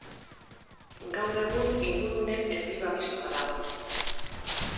Gaur egun ingurune erdi-babestua dago.